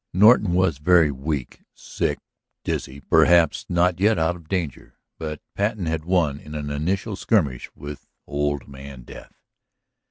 Norton was very weak, sick, dizzy, perhaps not yet out of danger. But Patten had won in the initial skirmish with old man Death.